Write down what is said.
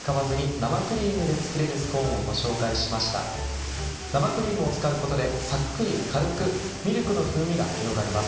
生クリームを使うことでさっくり軽くミルクの風味が広がります。